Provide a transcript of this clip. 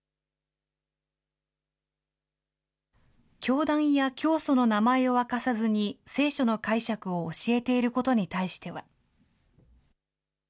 教団や教祖の名前を明かさずに聖書の解釈を教えていることに対しては。